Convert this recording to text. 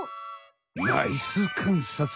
ナイスかんさつ。